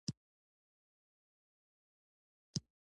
قلم د خلکو ترمنځ ذهن جوړوي